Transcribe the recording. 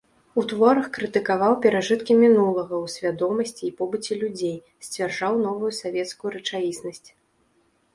У творах крытыкаваў перажыткі мінулага ў свядомасці і побыце людзей, сцвярджаў новую савецкую рэчаіснасць.